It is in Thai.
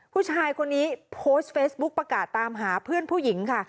ผู้ชายคนนี้โพสต์เฟซบุ๊คประกาศตามหาเพื่อนผู้หญิงค่ะ